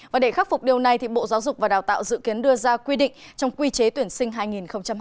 và để khắc phục điều này bộ giáo dục và đào tạo dự kiến đưa ra quy định trong quy chế tuyển sinh hai nghìn hai mươi